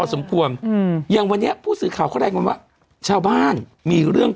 สมควรอืมอย่างวันนี้ผู้สื่อข่าวเขารายงานว่าชาวบ้านมีเรื่อง